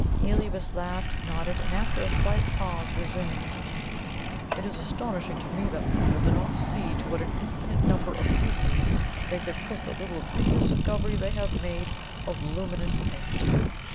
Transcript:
Heliobas laughed, nodded, and after a slight pause resumed: "It is astonishing to me that people do not see to what an infinite number of uses they could put the little re discovery they have made of LUMINOUS PAINT.